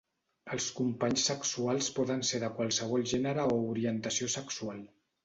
Els companys sexuals poden ser de qualsevol gènere o orientació sexual.